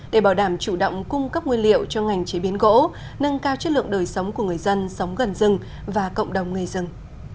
để bảo đảm chủ động cung cấp nguyên liệu cho ngành chế biến gỗ nâng cao chất lượng đời sống của người dân sống gần rừng và cộng đồng người rừng